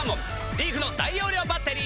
リーフの大容量バッテリー。